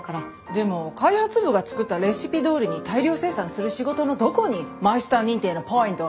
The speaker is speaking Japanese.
でも開発部が作ったレシピどおりに大量生産する仕事のどこにマイスター認定のポイントが？